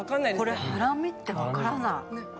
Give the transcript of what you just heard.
これハラミってわからない。